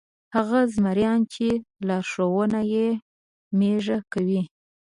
هغه زمریان چې لارښوونه یې مېږه کوي.